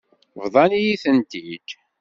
Bḍan-iyi-tent-id.